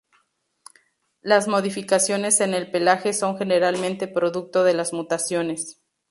Las modificaciones en el pelaje son generalmente producto de las mutaciones.